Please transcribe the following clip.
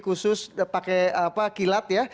khusus pakai kilat ya